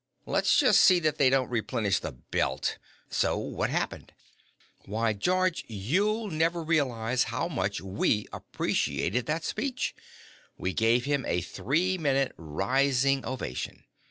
Let's just see that they don't replenish the Belt. So what happened?" "Why, George, you'll never realize how much we appreciated that speech. We gave him a three minute rising ovation.